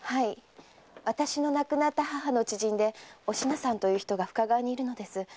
私の亡くなった母の知人でお品さんという人が深川にいます。